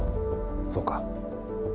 そうか。